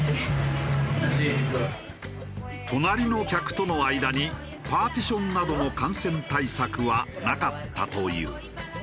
隣の客との間にパーティションなどの感染対策はなかったという。